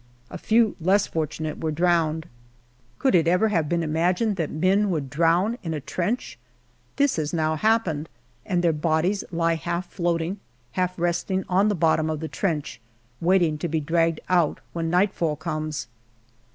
A few less fortunate were drowned. Could it ever have been imagined that men would drown in a trench ? This has now happened, and their bodies lie half floating, half resting on the bottom of the trench, waiting to be dragged out when nightfall comes.